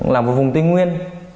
là một vùng tinh nguyên